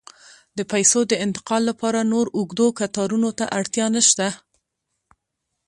د پیسو د انتقال لپاره نور اوږدو کتارونو ته اړتیا نشته.